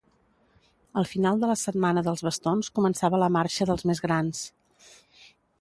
Al final de la Setmana dels bastons començava la Marxa dels més grans.